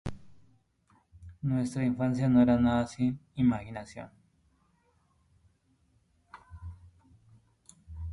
Nuestra infancia no era nada sin imaginación.